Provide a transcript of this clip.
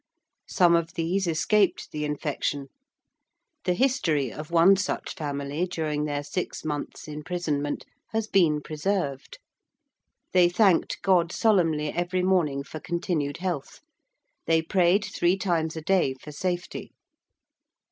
Some of these escaped the infection; the history of one such family during their six months' imprisonment has been preserved. They thanked God solemnly every morning for continued health: they prayed three times a day for safety.